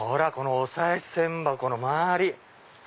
おさい銭箱の周り。